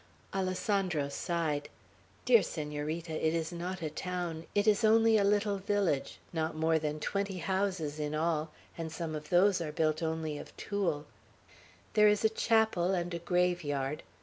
Alessandro sighed. "Dear Senorita, it is not a town; it is only a little village not more than twenty houses in all, and some of those are built only of tule. There is a chapel, and a graveyard.